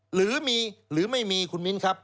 หรือมีหรือไม่มีคุณมิ้นครับ